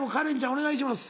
お願いします。